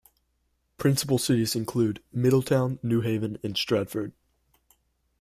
Principal cities include: Middletown, New Haven, and Stratford.